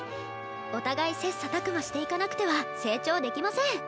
お互い切磋琢磨していかなくては成長できません。